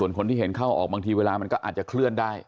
ส่วนคนที่เห็นเข้าออกบางทีเวลามันก็อาจจะเคลื่อนได้